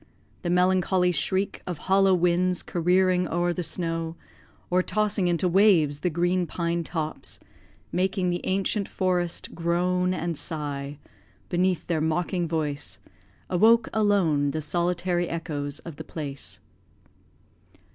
The melancholy shriek Of hollow winds careering o'er the snow, Or tossing into waves the green pine tops, Making the ancient forest groan and sigh Beneath their mocking voice, awoke alone The solitary echoes of the place.